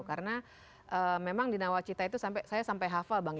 karena memang di tawacita itu saya sampai hafal bang